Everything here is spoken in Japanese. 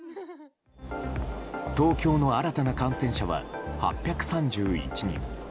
東京の新たな感染者は８３１人。